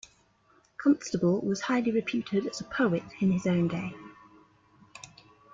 Constable was highly reputed as a poet in his own day.